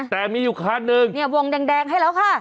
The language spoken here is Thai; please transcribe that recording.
แต่มีอยู่คันนึงเนี่ยวงแดงให้แล้วค่ะ